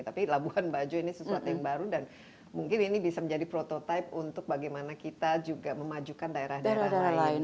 tapi labuan bajo ini sesuatu yang baru dan mungkin ini bisa menjadi prototipe untuk bagaimana kita juga memajukan daerah daerah lain